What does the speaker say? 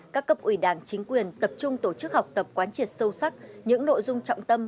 các cấp ủy đảng chính quyền tập trung tổ chức học tập quán triệt sâu sắc những nội dung trọng tâm